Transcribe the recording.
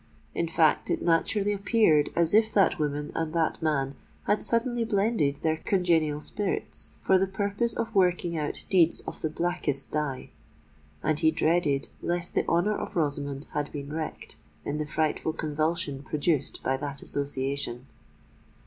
In fact, it naturally appeared as if that woman and that man had suddenly blended their congenial spirits for the purpose of working out deeds of the blackest dye; and he dreaded lest the honour of Rosamond had been wrecked in the frightful convulsion produced by that association.